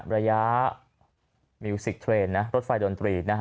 ระยะรถไฟดนตรี